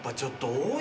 多い。